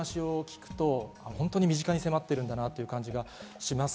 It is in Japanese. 具体的にお話を聞くと身近に迫っているんだなという感じがします。